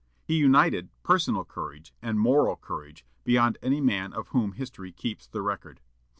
He united personal courage and moral courage beyond any man of whom history keeps the record....